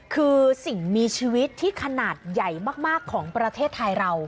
คือสิ่งมีชีวิตที่ขนาดใหญ่มากของประเทศไทยเรา